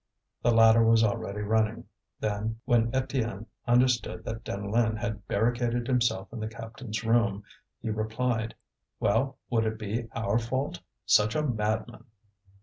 The latter was already running; then, when Étienne understood that Deneulin had barricaded himself in the captains' room, he replied: "Well, would it be our fault? such a madman!"